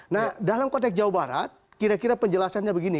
nah dalam konteks jawa barat kira kira penjelasannya begini